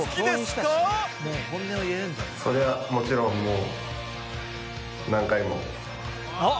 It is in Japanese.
それはもちろんもう。